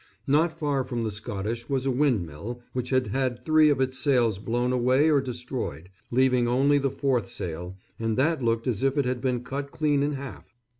Not far from the Scottish was a windmill which had had three of its sails blown away or destroyed, leaving only the fourth sail, and that looked as if it had been cut clean in half.